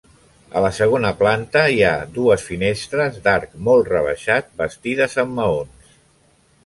A la segona planta hi ha dues finestres d'arc molt rebaixat, bastides amb maons.